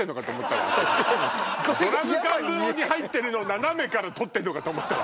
ドラム缶風呂に入ってるのを斜めからとってんのかと思ったわ。